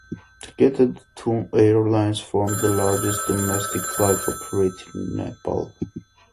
Together, the two airlines form the largest domestic flight operator in Nepal.